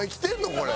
これ。